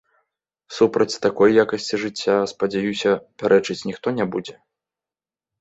Супраць такой якасці жыцця, спадзяюся, пярэчыць ніхто не будзе.